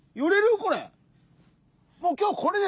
これ！